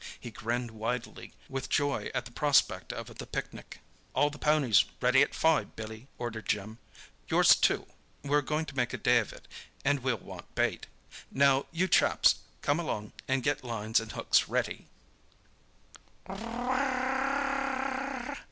He grinned widely with joy at the prospect of the picnic. "All the ponies ready at five, Billy," ordered Jim. "Yours too. We're going to make a day of it—and we'll want bait. Now, you chaps, come along and get lines and hooks ready!"